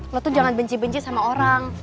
lo tuh jangan benci benci sama orang